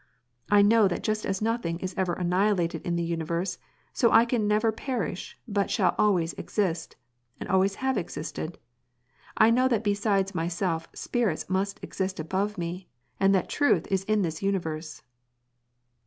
I know that just as nothing is ever annihilated in the universe, so I can never perish but shall always exist, and always have existed. I know that besides myself spirits must exist above me, and that truth is in this universe."